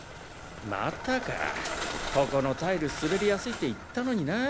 またかここのタイル滑りやすいって言ったのになぁ。